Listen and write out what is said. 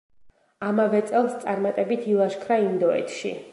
ამავე წელს წარმატებით ილაშქრა ინდოეთში.